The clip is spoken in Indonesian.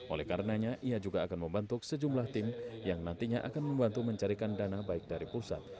oleh karenanya ia juga akan membentuk sejumlah tim yang nantinya akan membantu mencarikan dana baik dari pusat